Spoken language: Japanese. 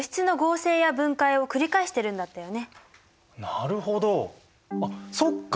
なるほどあっそっか！